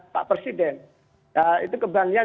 pak presiden itu keberanian